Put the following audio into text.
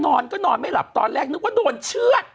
นอนก็นอนไม่หลับตอนแรกนึกว่าโดนเชื่อด